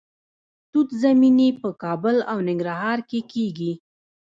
توت زمینی په کابل او ننګرهار کې کیږي.